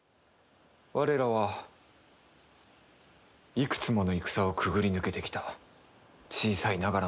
我らはいくつもの戦をくぐり抜けてきた小さいながらも固い固い一丸。